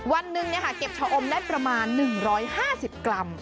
วันหนึ่งเก็บชะอมได้ประมาณ๑๕๐กรัม